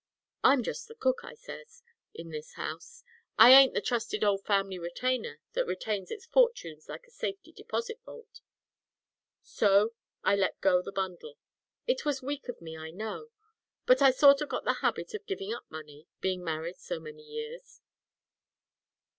'I'm just a cook,' I says, 'in this house. I ain't the trusted old family retainer that retains its fortunes like a safety deposit vault.' So I let go the bundle. It was weak of me, I know, but I sort of got the habit of giving up money, being married so many years."